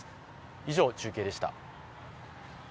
以上、中継でした。